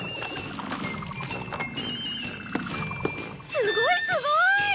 すごいすごい！